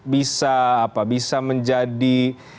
bisa apa bisa menjadi